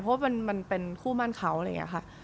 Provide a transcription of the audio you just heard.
เพราะว่ามันเป็นคู่มั่นเขาอะไรอย่างนี้ค่ะ